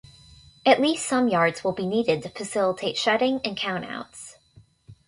At least some yards will be needed to facilitate shedding and count-outs.